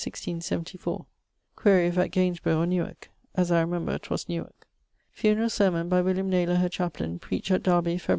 [XL.] Quaere if at Gainsborough or Newark? as I remember 'twas Newarke. Funerall Sermon, by William Naylour, her chaplain, preached at Darby, Feb.